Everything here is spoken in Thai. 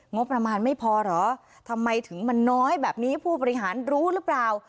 งบประมาณไม่พอเหรอทำไมถึงมันน้อยแบบนี้ผู้บริหารรู้หรือเปล่า